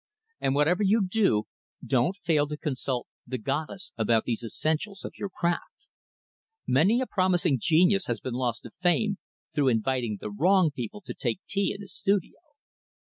And, whatever you do, don't fail to consult the 'Goddess' about these essentials of your craft. Many a promising genius has been lost to fame, through inviting the wrong people to take tea in his studio.